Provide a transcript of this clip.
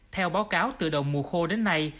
theo báo cáo từ đầu mùa khô đến nay